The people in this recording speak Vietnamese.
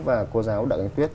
và cô giáo đặng anh tuyết